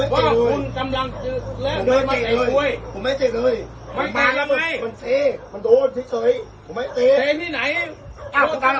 ว่าคุณกำลังแล้วไม่เตะกล้วยผมไม่เตะเลย